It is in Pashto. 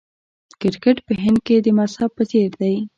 کرکټ په هند کې د مذهب په څیر دی.